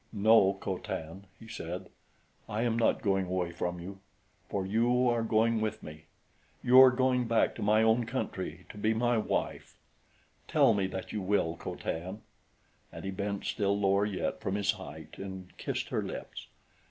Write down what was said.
"No, Co Tan," he said, "I am not going away from you for you are going with me. You are going back to my own country to be my wife. Tell me that you will, Co Tan." And he bent still lower yet from his height and kissed her lips.